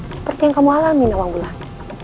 seperti yang kamu alami nawang mulan